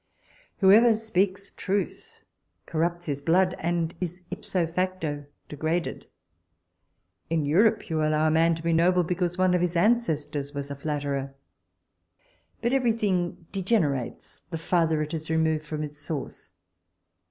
Whoever speaks truth, corrupts his blood, and is ipso facto degraded. In Europe you allow a man to be noble because one of his ancestors was a flatterer. But every thing degenerates, the farther it is removed from its source.